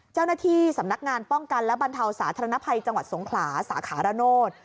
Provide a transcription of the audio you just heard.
เจ้าหน้าที่สำนักงานป้องกันและบรรเทาสาธารณภัยจังหวัดสงขลาสาขาระโนธ